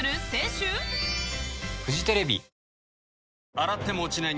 洗っても落ちない